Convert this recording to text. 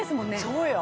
そうよ